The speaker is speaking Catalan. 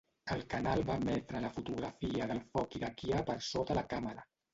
El canal va emetre la fotografia del foc iraquià per sota la càmera.